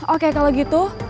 oke kalau gitu